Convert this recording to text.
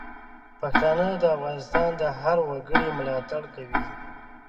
پښتانه د افغانستان د هر وګړي ملاتړ کوي.